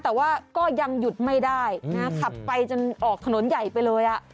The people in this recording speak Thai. แต่ว่าก็ยังหยุดไม่ได้นะขับไปจนออกถนนใหญ่ไปเลย